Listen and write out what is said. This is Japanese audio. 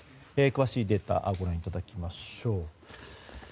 詳しいデータをご覧いただきましょう。